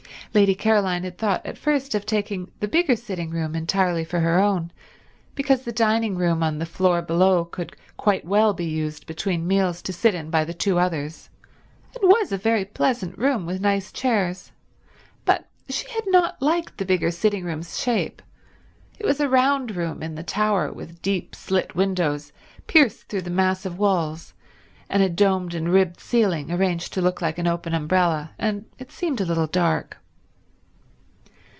Lady Caroline had thought at first of taking the bigger sitting room entirely for her own, because the dining room on the floor below could quite well be used between meals to sit in by the two others, and was a very pleasant room with nice chairs, but she had not liked the bigger sitting room's shape—it was a round room in the tower, with deep slit windows pierced through the massive walls, and a domed and ribbed ceiling arranged to look like an open umbrella, and it seemed a little dark.